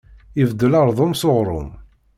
Ibeddel ardum s uɣrum.